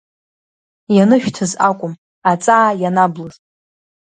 Ианышәҭыз акәым, аҵаа ианаблыз!